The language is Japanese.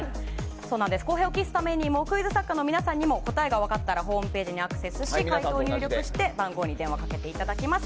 公平を期すためにもクイズ作家の皆さんにも答えが分かったらホームページにアクセスし解答を入力して番号に電話をかけていただきます。